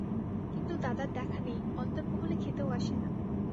কিন্তু দাদার দেখা নেই, অন্দরমহলে খেতেও আসে না।